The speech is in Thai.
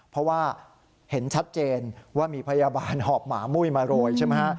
เพราะว่าเห็นชัดเจนว่ามีพยาบาลหอบหมามุ้ยมาโรยใช่ไหมฮะ